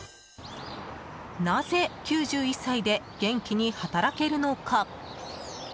なぜ９１歳で元気に働けるのか？